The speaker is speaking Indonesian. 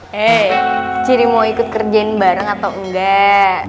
hei ciri mau ikut kerjain bareng atau enggak